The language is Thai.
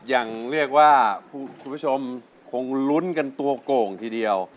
ยังเรียกว่าคุณผู้ชมคงลุ้นกันตัวโก่งทีเดียว